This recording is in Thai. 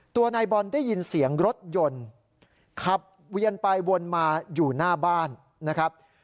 ตัวนายบอลได้ยินเสียงรถยนต์ขับเวียนไปวนมาอยู่หน้าบ้านนะครับ